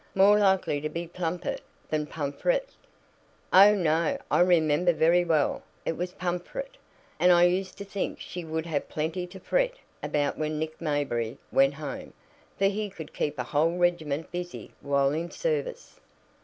More likely to be Plumpet than Pumfret." "Oh, no; I remember very well. It was Pumfret, and I used to think she would have plenty to 'fret' about when Nick Mayberry went home, for he could keep a whole regiment busy while in service."